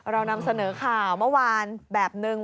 เรานำเสนอข่าวเมื่อวานแบบนึง